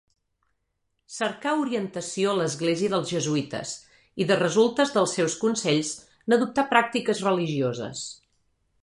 Cercà orientació a l'església dels jesuïtes, i de resultes dels seus consells, n'adoptà pràctiques religioses.